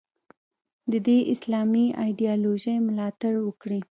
د دې اسلامي ایدیالوژۍ ملاتړ وکړي.